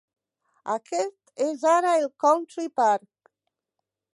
Aquest és ara el Country Park.